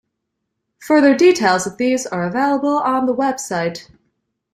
Further details of these are available on the website.